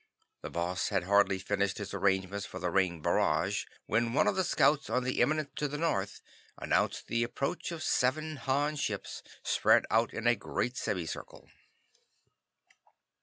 The Boss had hardly finished his arrangements for the ring barrage, when one of the scouts on an eminence to the north, announced the approach of seven Han ships, spread out in a great semi circle.